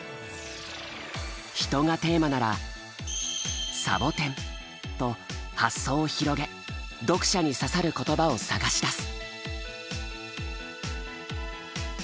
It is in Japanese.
「人」がテーマなら「仙人掌」と発想を広げ読者に刺さる言葉を探し出す。